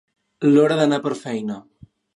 L'hora d'anar per feina.